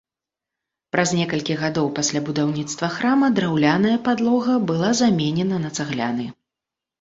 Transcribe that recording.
Праз некалькі гадоў пасля будаўніцтва храма драўляная падлога была заменена на цагляны.